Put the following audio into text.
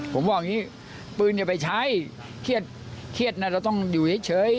ผมบอกอย่างนี้ปืนอย่าไปใช้เครียดนะเราต้องอยู่เฉย